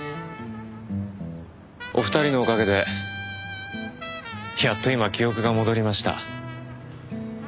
お二人のおかげでやっと今記憶が戻りました。